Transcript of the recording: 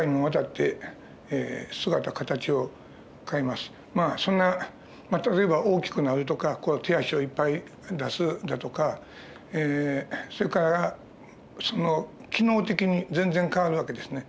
まあそんな例えば大きくなるとか手足をいっぱい出すだとかそれからその機能的に全然変わる訳ですね。